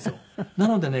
なのでね